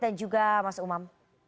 dan juga mas umam